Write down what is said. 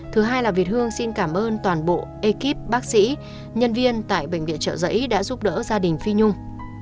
thứ hai là việt hương xin cảm ơn toàn bộ ekip bác sĩ nhân viên tại bệnh viện trợ giấy đã giúp đỡ gia đình phi nhung